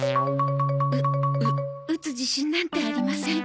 うう打つ自信なんてありません。